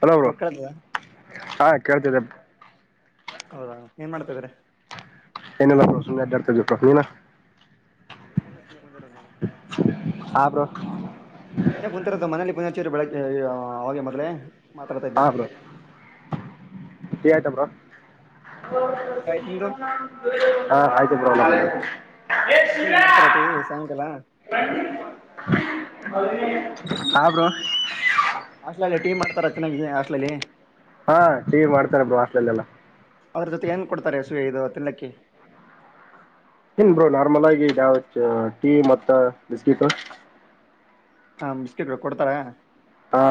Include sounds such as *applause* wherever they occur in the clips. Hello bro ಬಕ ಹಾ ಕೇಳ್ತಿದ್ದ ಹೌದಾ ಏನ್ ಮಾಡ್ತಿದ್ರ ಎನೆಲ್ಲಡತ ಪ್ರತ್ನನಾ ಏನ ಎಲ್ಲ ಸಂದ ಕೊಂಚರ ನಾನ ಹಾ ಬ್ರೋ ಕುಂತಿರೊದು ಮನಲಿ ಪು ಬೆಳಗ್ಗೆ ಅವೆ ಮೊದ್ಲೇ ಮಾತಾಡ್ತಿದ್ದೆ ಹಾ ಬ್ರೋ ಟೀ ಆಯ್ತಾ ಬ್ರೋ ಟೀ ಆಯ್ತು ನಿಮ್ದು ಹಾ ಆಯ್ತು ಬ್ರು *unintelligible* ಟೀ ಮಾಡ್ತಾರ ಟೀ ಸಾಯಂಕಾಲ ಹಾ ಬ್ರೋ ಹಾಸ್ಟೆಲ್ ಟೀ ಮಾಡ್ತಾರ ಚೆನ್ನಾಗಿ ಹಾಸ್ಟೆಲ್ಲಲ್ಲಿ ಹಾ ಟೀ ಮಾಡ್ತಾರೆ ಬ್ರೋ ಹಾಸ್ಟೆಲ್ ಎಲ್ಲ ಅದ್ರ ಜೊತೆ ಏನ್ ಕೊಡ್ತಾರೆ ಇದು ತಿನ್ನಕ್ಕೆ ಇನ್ ಬ್ರೋ ನಾರ್ಮಲ್ ಆಗಿ ಯಾವ ಟೀ ಮತ್ತ್ ಬಿಸ್ಕಿಟ ಹಾ ಬಿಸ್ಕಿಟ್ ಕೊಡ್ತಾರ ಹಾ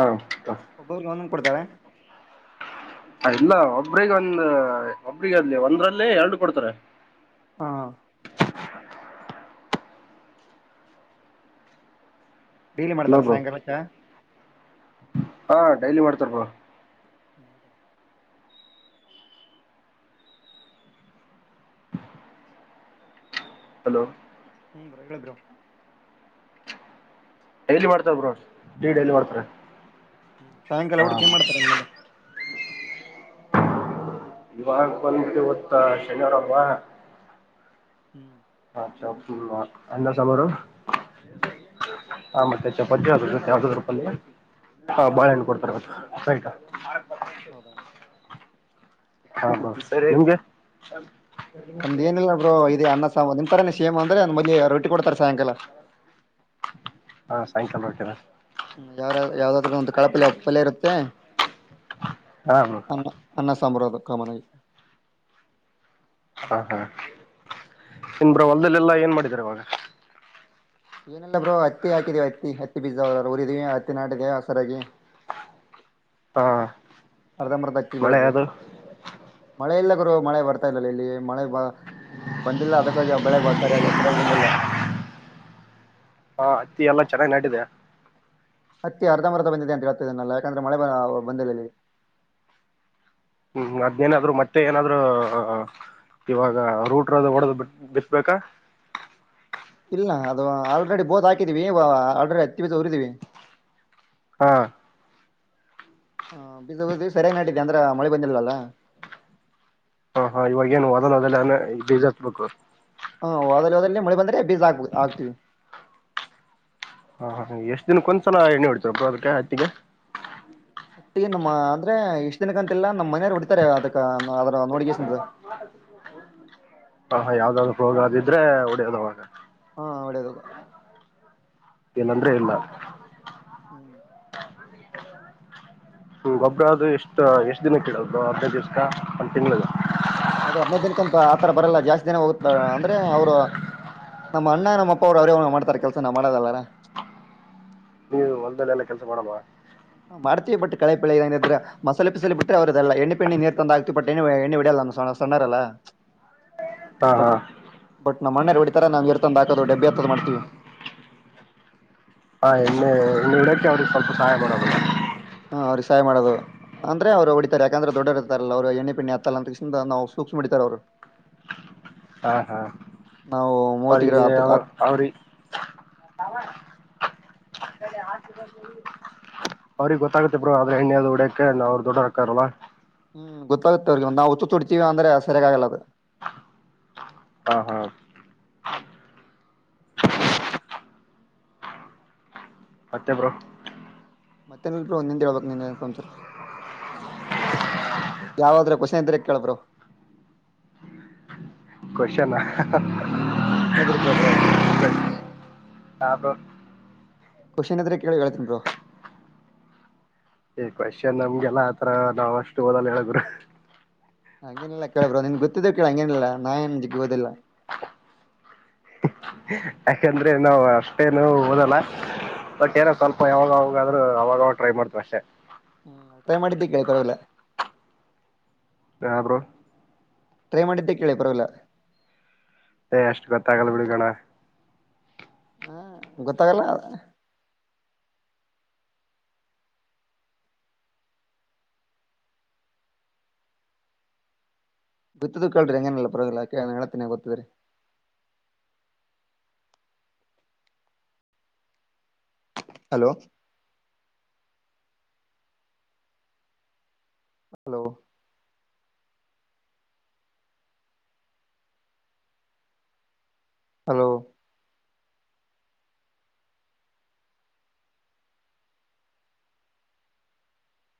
ಒಬ್ಬೊಬ್ರಿಗೆ ಒಂದೊಂದ್ ಕೊಡ್ತಾರೆ ಹಾ ಇಲ್ಲ ಒಬ್ರಿಗೆ ಒಂದ ಒಬ್ರಿಗೆ ಅದಲಿ ಒಂದ್ರಲ್ಲೇ ಎರಡು ಕೊಡ್ತಾರೆ ಹಾ *inaudible* ಡೇಲಿ ಹಲೋ ಮಾಡ್ತಾರ ಬ್ರೋ ಸಾಯಂಕಾಲಕ್ಕೆ ಹಾ ಡೈಲಿ ಮಾಡ್ತಾರ ಬ್ರೋ ಹೌದ ಹಲೋ ಹ್ಮ್ ಬ್ರೋ ಹೇಳ್ ಬ್ರೋ ಡೈಲಿ ಮಾಡ್ತಾರ ಬ್ರೋ ಟೀ ಡೈಲಿ ಹೌದಾ *inaudible* ಮಾಡ್ತಾರೆ ಹ್ಮ್ ಸಾಯಂಕಾಲ ಹಾ ಊಟಕ್ಕೆ ಬ್ರೋ ಏನ್ ಮಾಡ್ತಾರೆ ಇನ್ಮೇಲ್ಲೆ ಇವಾಗ ಬಂದಿದೆ ಐವತ್ತು ಶನಿವಾರ ಅಲ್ವಾ ಹ್ಮ್ ಹಾ ಚಾ ಅನ್ನ ಸಾಂಬಾರು ಹ್ಮ್ ಹಾ ಮತ್ತೆ ಚಪಾತಿ ಆದ್ರೂ ಜೊತೆ ಯದಾದ್ರೂ ಪಲ್ಯ ಹಾ ಹ್ಮ್ ಹ್ಮ್ ಬಾಳಹಣ್ಣ್ ಕೊಡ್ತಾರೆ ಮತ್ತ್ *unintelligible* ಹೌದಾ ಹಾ ಬ್ರೋ ಸರಿ ನಿಮಗೆ ನಮ್ದ್ ಏನಿಲ್ಲಾ ಬ್ರೋ ಇದೇ ಅನ್ನ ಸಾಂಬಾರ್ ನಿಮ್ಮ್ ತರಾನೇ ಸೇಮ್ ಅಂದ್ರೆ ಮೊದ್ಲಿಗೆ ರೊಟ್ಟಿ ಕೊಡ್ತಾರೆ ಸಾಯಂಕಾಲ ಹಾ ಸಾಯಂಕಾಲ ರೊಟ್ಟಿನ ಯಾವ ಯಾವ್ದಾದ್ರು ಒಂದು ಕಾಳು ಪಲ್ಯ ಇರುತ್ತೆ ಹಾಂ ಬ್ರೋ ಅನ್ನ ಅನ್ನ ಸ *unintelligible* ಕಾಮನ್ ಆಗಿ ಹಾ ಹಾ *inaudible* ಏನ್ ಬ್ರೋ ಹೊಲದಲೆಲ್ಲಾ ಏನ್ ಮಾಡಿದಿರಾ ಇವಾಗ ಏನೆಲ್ಲ ಬ್ರೋ ಹತ್ತಿ ಹಾಕಿದಿವಿ ಹತ್ತಿ ಹತ್ತಿ ಬೀಜ ಉರಿದಿವವಿ ಹತ್ತಿ ನಾಡಿದೆ ಹೊಸರಾಗಿ ಹಾ ಅರ್ಧಂಬರ್ಧ ಅಕ್ಕಿ ಬೆಳದಿದೆ ಮಳೆ ಇಲ್ಲ ಗುರು ಮಳೆ ಬರ್ತಾ ಇಲ್ಲಲ್ಲ ಇಲ್ಲಿ ಮಳೆ ಬಂದಿಲ್ಲ ಅದಸಾಗಿ ಬೆಳೆ ಸರಿಯಾಗಿ ಸರಿಯಾಗಿ ಬಂದಿಲ್ಲ ಹಾ ಹತ್ತಿ ಎಲ್ಲಾ ಚೆನ್ನಾಗಿ ನಾಟಿದೆ ಹತ್ತಿ ಅರ್ಧ ಅರ್ಧ ಬಂದಿದೆ ಅಂತ ಹೇಳ್ತದನ್ನಲ್ಲ ಯಾಕಂದ್ರೆ ಮಳೆ ಬಂದಿಲ್ಲ ಇಲ್ಲಿಗೆ ಹ್ಮ್ ಅದ್ನೇನಾದ್ರು ಮತ್ತೆ ಏನಾದ್ರು ಇವಾಗ ರೂಟ್ರು ಹೊಡೆದು ಬಿತ್ತಬೇಕಾ ಇಲ್ಲ ಅದು ಆಲ್ರೆಡಿ ಬೋತ್ ಹಾಕಿದೀವಿ ಆಲ್ರೆಡಿ ಹತ್ತಿ ಬೀಜ ಉರಿದೀವಿ ಹಾ. ಹಾ ಬಿದ ಬ ಸರಿಯಾಗಿ ನಾಟಿದ್ದೆ ಅಂದ್ರೆ ಮಳೆ ಬಂದಿಲ್ವಲ್ಲ ಹಾ ಹಾ ಇವಾಗ ಏನು ವದನ್ ಅದೆಲ್ಲ ಬಡಿಸಟ್ಬೇಕು ಹಾ ಹೊದಲ್ಲಿ ಹೋದದಲ್ಲಿ ಮಳೆ ಬಂದ್ರೆ ಬೀಜ ಆಗ್ ಹಾಕತಿವಿ ಆಗ್ತೀವಿ ಹಾ ಹ ಎಷ್ಟ್ ದಿನಕ್ಕ ಒಂದ್ಸಲ ಎಣ್ಣೆ ಹೊಡ್ತರಬ್ ಅದಕ್ಕೆ ಹತ್ತಿಗೆ ಒಟ್ಟಿ ನಮ್ಮ ಅಂದ್ರೆ ಇಷ್ಟ್ ದಿನಕ್ಕ ಅಂತಿಲ್ಲ ನಮ್ಮ ಮನೆಯವರು ಹೊಡಿತಾರೆ ಅದಕ್ಕ ನಾ ಅದರ ನೋಡಿಕ ಸಿದ ಹ ಯಾವ್ದಾದ್ದರು ಪ್ರೋಗ್ರ ಇದ್ರೆ ಹೊಡಿಯೋವಾಗ. ಹಾ ಅಡ ತಗ. ಏಲ್ಲಂದ್ರೆ ಇಲ್ಲ ಹ್ಮ್. ಹ್ಮ ಗೊಬ್ಬರ ಅದು ಎಷ್ಟ ಎಷ್ಟ್ ದಿನಕ್ಕಡದು ಹರ್ನೈದು ದಿವ್ಸಕ ಒಂದ ತಿಂಗಳಗ ಅದು ಹದನೈದ್ ದಿನಕ್ಕ ಅಂತ ಆತರ ಬರಲ್ಲ ಜಾಸ್ತಿ ದಿನ ಹೋಗುತ್ತ ಅಂದ್ರೆ ಅವ್ರು ನಮ್ಮ ಅಣ್ಣ ನಮ್ಮ ಅಪ್ಪ ಅವ್ರು ಅವ್ರೇ ಮಾಡ್ತಾರ ಕೆಲ್ಸ ನಾವ್ ಮಾಡದಲ್ಲಾರ ನೀವು ಹೊಲದಲ್ಲಿ ಎಲ್ಲ ಕೆಲ್ಸ ಮಾಡಲವಾ ಮಾಡ್ತೀವಿ ಬಿಟ್ಟ ಕಳೆ ಪಳ ಇದ್ರೆ ಮಸಾಲೆ ಪಿಸಿಸಿಲಿ ಬಿಟ್ಟ್ರ ಅವ್ರದಲ್ಲ ಎಣ್ಣೆಣ್ಣ ನೀರ್ ತಂದ ಹ ಆಕ್ತಿಿಟ್ಟ ಎಣ್ಣ ಎ್ಣೆ ಬಿಡಲ್ಲ ಸಣ್ಣರಲ್ಲಾ ಹಾ ಹಾ. ನಮ್ಮ್ ಮಣ್ಣೇೆಯಲ್ಲಿ ಹೊಡಿತತಾರ ನಾವ್ ಎರ್ತಂದ್ ಹಾಕೋದು ಡಬ್ಬೆ ಎರ್ತದ ಮಾಡ್ತವಿ. ಹಾ ಇನ್ನೆ ಇನ್ನು ಇಡೋಕ್ಕೆ ಅವ್ರಿಗೆ ಸ್ವಲ್ಪ ಸಹಾಯ ಮಾಡೋದು. ಹಾ ಅವ್ರಿಗೆ ಸಹಾಯ ಮಾಡದು ಅಂದ್ರೆ ಅವ್ರು ಹೊಡಿತತಾರೆ ಯಾಕಂದ್ರೆ ದೊಡ್ಡ ಇರ್ತಾರಲ್ಲ ಅವರು ಎಣ್ಣೆ ಪಣ್ಣ ಹತ್ತತಲ್ಲ ಅಂತ ಕ ನಾವು ಸೂಕ್ಷ್ಮಿಡಿತತ ಅವರು. ಹಾ ಹಾ ಮೂವತ್ತಿಗೆ ಅವ್ರಿಗೆ ಹತ್ ಅವ ಅವ್ರಿ. ಅವ್ರಿಗ್ ಗೊತ್ತಾಗತ್ತೆ ಬ್ರೋ ಆದ್ರೆ ಎಣ್ಣೆದ್ ಉಡಕ್ ಅವ್ರ್ ದೊಡ್ಡರ್ ಆಕ್ಕಾರಲ್ಲ. ಹ್ಮ್ ಗೊತ್ತಾಗುತ್ತೆ ಅವ್ರಿಗೆ ಒಂದು ನಾವು ಹುಚ್ಚು ಚುಡ್ತೀವಿ ಅಂದ್ರೆ ಸರಿಯಗಗಲ್ಲ ಅದ ಹಾ ಹಾ ಹ್ಮ್ ಮತ್ತೆ ಬ್ರೋ ಮತ್ತೆನಲ್ ಬ್ರೋ ನಿಂದ್ ಹೇಳ್ಬೇಕ್ ನಿನ್ ಏನ್ ಒಂಚೂರ್ ಯಾವಾದ್ರೆ ಕ್ವೆಶ್ಚನ್ ಇದ್ರೆ ಕೇಳು ಬ್ರೋ. ಕೊಶನ್ ವಿಷ್ಣು ಹತ್ರ ಕೇಳ್ ಬ್ರೋ. ಹಾ ಬ್ರೋ ಕೊಷನ್ ಎತ್ರ ಕಳ ಕಳ್ತನ ಪ್ರೊ ಕ್ವೊಶನ್ ನಮ್ಗೆಲ್ಲ ಆತರ ನಾವ್ ಅಷ್ಟು ಓದಲ್ಲ ಹೇಳಗ್ರ ಹಂಗೇನಿಲ್ಲಾ ಕೇಳಬ್ರ ನಿನ್ಗೆ ಗೊತ್ತಿದ್ದ್ ಕೇಳ ಹಂಗೇನಿಲ್ಲಾ ನಾ ನಿಮ್ ಜಿಗ್ಗೋದಿಲ್ಲ. ಯಾಕಂದ್ರೆ ನಾವು ಅಷ್ಟೇನು ಓದಲ್ಲ ಬಟ್ ಏನ ಸ್ವಲ್ಪ ಯಾವಾಗಾವಾಗಾದ್ರರು ಅವಾಗವಾಗ ಟ್ರೈ ಮಾಡ್ತವಿ ಅಷ್ಟೆ. ಹ್ಮ್ ಯ ಮಾಡಡಿದ್ದೀ ಕಳ್ರವಲ್ಲ ಯ ಬ್ರೋ ಟ್ರೈ ಮಾಡಿದ್ದೆ ಕೇಳಿ ಪರವಾಗಿಲ್ಲ ಏ ಅಷ್ಟು ಗೊತ್ತಾಗಲ್ಲ ಬಿಡ್ಗೋಣ ಹಾ ಗೊತ್ತಾಗಲ್ಲ ಅ ಬಿತ್ತದು ಕಲ್ ಎಂಗನಲ್ಲ ಪ್ರ ನಳತ್ತನ ಗತ್ತುದ್ರ ಹಲೋ ಹಲೋ ಹಲೋ